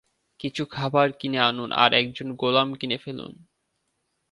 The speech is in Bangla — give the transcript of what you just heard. কিছু খাবার কিনে আনুন আর একজন গোলাম কিনে ফেলুন।